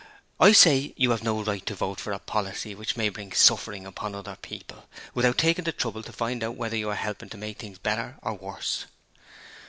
I say you have no right to vote for a policy which may bring suffering upon other people, without taking the trouble to find out whether you are helping to make things better or worse.'